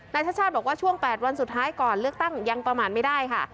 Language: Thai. ชาติชาติบอกว่าช่วง๘วันสุดท้ายก่อนเลือกตั้งยังประมาณไม่ได้ค่ะ